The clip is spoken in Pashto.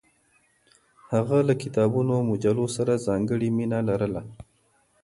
هغه له کتابونو او مجلو سره ځانګړې مینه لرله.